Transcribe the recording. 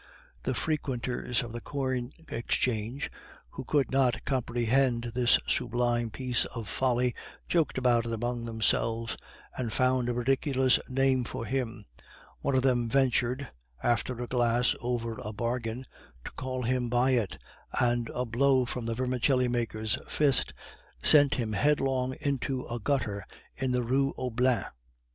The frequenters of the Corn Exchange, who could not comprehend this sublime piece of folly, joked about it among themselves, and found a ridiculous nickname for him. One of them ventured (after a glass over a bargain) to call him by it, and a blow from the vermicelli maker's fist sent him headlong into a gutter in the Rue Oblin.